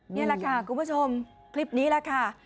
นี่แหละค่ะคุณผู้ชมคลิปนี้แหละค่ะ